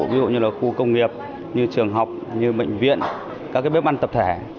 ví dụ như là khu công nghiệp như trường học như bệnh viện các bếp ăn tập thể